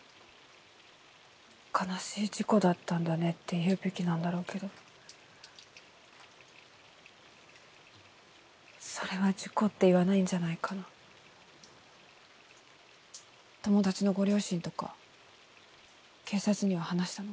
悲しい事故だったんだねって言うべきなんだろうけどそれは事故って言わないんじゃないかな友達のご両親とか警察には話したの？